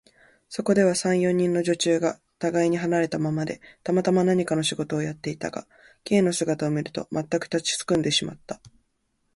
そこでは、三、四人の女中がたがいに離れたままで、たまたま何かの仕事をやっていたが、Ｋ の姿を見ると、まったく立ちすくんでしまった。